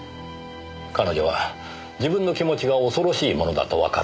彼女は自分の気持ちが恐ろしいものだとわかっていた。